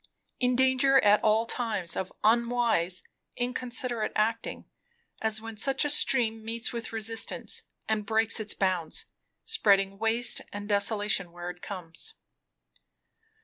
In danger at all times of unwise, inconsiderate acting; as when such a stream meets with resistance and breaks its bounds, spreading waste and desolation where it comes.